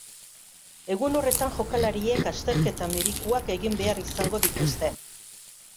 Egun horretan jokalariek azterketa medikuak egin behar zango dituzte.